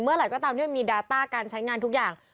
เมื่อไหร่ก็ตามที่มันมีดาต้าการใช้งานทุกอย่าง